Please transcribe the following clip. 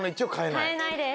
かえないです。